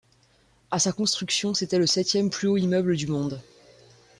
À sa construction c'était le septième plus haut immeuble du monde.